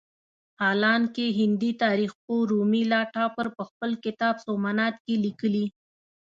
حالانکه هندي تاریخ پوه رومیلا تاپړ په خپل کتاب سومنات کې لیکلي.